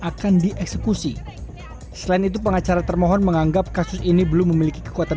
akan dieksekusi selain itu pengacara termohon menganggap kasus ini belum memiliki kekuatan